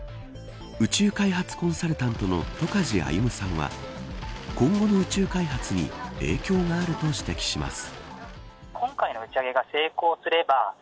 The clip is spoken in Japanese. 宇宙開発コンサルタントの戸梶歩さんは今後の宇宙開発に影響があると指摘します。